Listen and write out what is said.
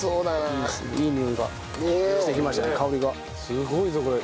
すごいぞこれ。